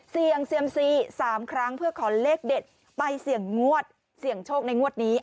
เสี่ยงเซียมซี๓ครั้งเพื่อขอเลขเด็ดไปเสี่ยงงวดเสี่ยงโชคในงวดนี้